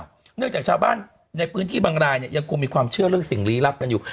เนื่องจากชาวบ้านในพื้นที่บางรายเนี่ยยังคงมีความเชื่อเรื่องสิ่งลี้ลับกันอยู่